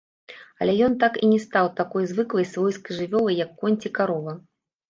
Але ён так і не стаў такой звыклай свойскай жывёлай, як конь ці карова.